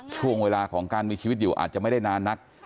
ช่วงเวลาของการมีชีวิตอยู่อาจจะไม่ได้นานนัก